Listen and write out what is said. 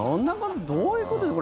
どういうことですか？